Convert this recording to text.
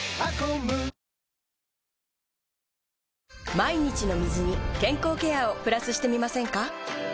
毎日の水に健康ケアをプラスしてみませんか？